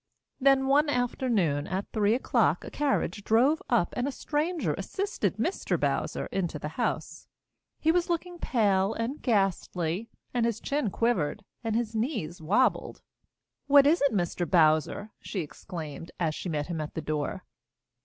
Then one afternoon at three o'clock a carriage drove up and a stranger assisted Mr. Bowser into the house. He was looking pale and ghastly, and his chin quivered, and his knees wabbled. "What is it, Mr. Bowser?" she exclaimed, as she met him at the door.